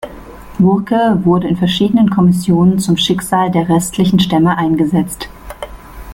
Bourke wurde in verschiedenen Kommissionen zum Schicksal der restlichen Stämme eingesetzt.